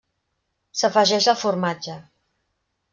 S'afegeix el formatge.